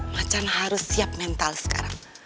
macan harus siap mental sekarang